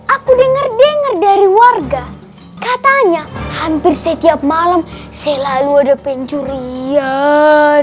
aku denger denger dari warga katanya hampir setiap malam selalu ada pencurian takut kalian